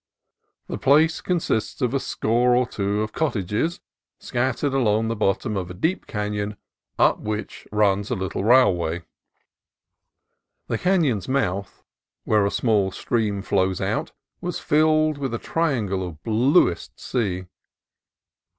The place con sists of a score or two of cottages scattered along the bottom of a deep canon up which runs a little rail way. The canon's mouth, where a small stream flows out, was filled with a triangle of bluest sea.